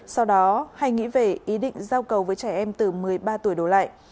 sau đó hay nghĩ về ý định giao cầu với trẻ em từ một mươi ba tuổi đổ lại